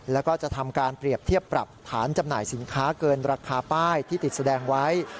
แล้วก็จะทำการเปรียบเทียบปรับฐานจำหน่ายสินค้าเกินราคาป้ายที่ติดแสดงไว้